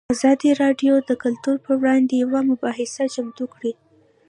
ازادي راډیو د کلتور پر وړاندې یوه مباحثه چمتو کړې.